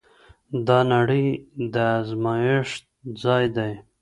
دا نړۍ د ازمويښت ځای دی.